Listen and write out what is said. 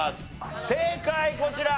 正解こちら。